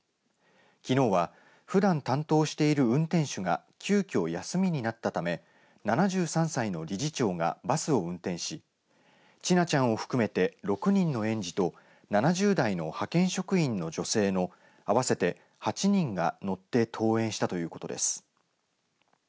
きのうは、ふだん担当している運転手が急きょ、休みになったため７３歳の理事長がバスを運転し千奈ちゃんを含めて６人の園児と７０代の派遣職員の女性の合わせて８人が乗って登園したということです。